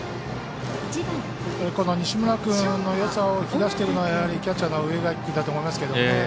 西村君のよさを引き出しているのはやはりキャッチャーの植垣君だと思いますけどね。